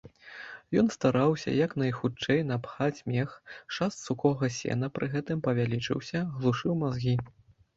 Ён стараўся як найхутчэй напхаць мех, шаст сухога сена пры гэтым павялічыўся, глушыў мазгі.